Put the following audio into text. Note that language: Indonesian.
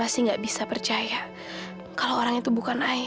sikap pak wisnu